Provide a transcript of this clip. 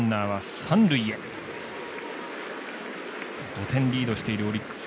５点リードしているオリックス。